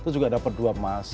itu juga dapat dua emas